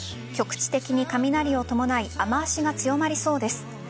局地的に雷を伴い雨脚が強まりそうです。